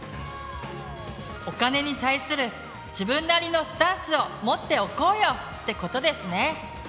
お金に対する「自分なりのスタンス」を持っておこうよ！ってことですね。